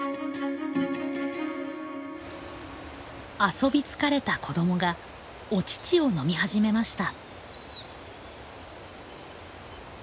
遊び疲れた子どもがお乳を飲み始めました。